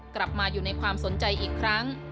กลับมาอยู่ในความสนใจอีกครั้ง